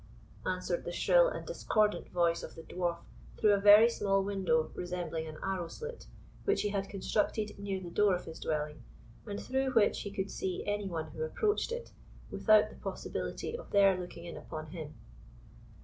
answered the shrill and discordant voice of the Dwarf through a very small window, resembling an arrow slit, which he had constructed near the door of his dwelling, and through which he could see any one who approached it, without the possibility of their looking in upon him.